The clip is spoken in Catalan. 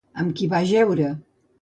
Amb qui va jeure?